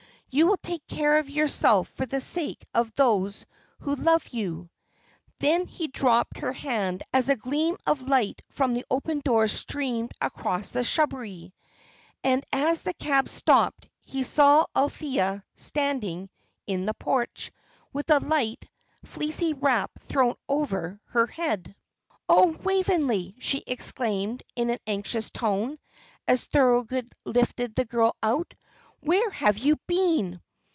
You will take care of yourself for the sake of those who love you." Then he dropped her hand as a gleam of light from the open door streamed across the shrubbery. And as the cab stopped he saw Althea standing in the porch, with a light, fleecy wrap thrown over her head. "Oh, Waveney," she exclaimed, in an anxious tone, as Thorold lifted the girl out. "Where have you been?"